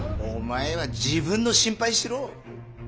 お前は自分の心配しろ。